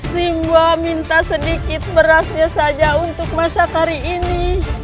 simba minta sedikit berasnya saja untuk masak hari ini